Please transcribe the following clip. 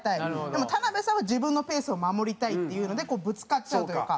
でも田辺さんは自分のペースを守りたいっていうのでこうぶつかっちゃうというか。